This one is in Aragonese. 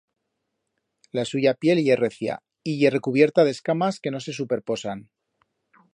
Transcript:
La suya piel ye recia y ye recubierta d'escamas que no se superposan.